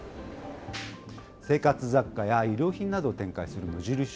生活雑貨や衣料品などを展開する無印